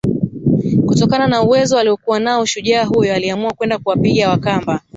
Kutokana na uwezo aliokuwa nao shujaa huyo aliamua kwenda kuwapiga Wakamba